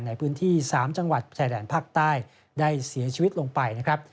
ในพื้นที่๓จังหวัดชายแดนภาคใต้ได้เสียชีวิตลงไปนะครับ